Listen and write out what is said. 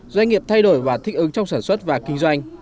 doanh nghiệp thay đổi và thích ứng trong sản xuất và kinh doanh